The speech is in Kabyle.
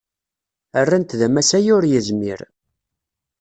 Rran-t d amasay ur yezmir.